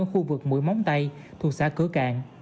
ở khu vực mũi móng tây thuộc xã cửa cạn